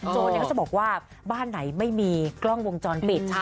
โจรเขาจะบอกว่าบ้านไหนไม่มีกล้องวงจรปิด